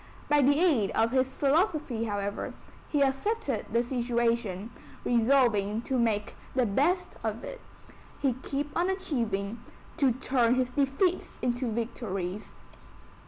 By the aid of his philosophy, however, he accepted the situation, resolving to make the best of it; to keep on achieving, to turn his defeats into victories.